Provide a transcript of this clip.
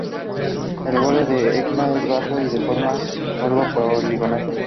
El borde de Encke es bajo y de forma algo poligonal.